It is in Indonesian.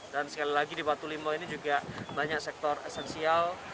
dan sekali lagi di watulimo ini juga banyak sektor esensial